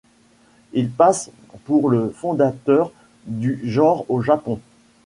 Il passe pour le fondateur du genre au Japon.